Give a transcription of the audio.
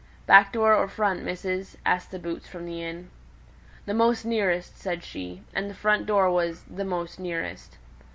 "Back door or front, missus?" asked the boots from the inn. "The most nearest," said she. And the front door was "the most nearest."